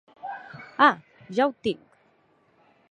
Ah, ja ho tinc!».